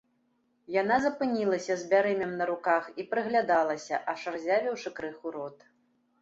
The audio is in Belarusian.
Яна запынілася з бярэмем на руках і прыглядалася, аж разявіўшы крыху рот.